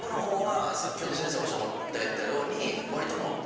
先ほど先生おっしゃってたようにわりともう。